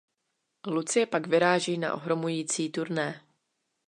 Lucie pak vyráží na ohromující turné.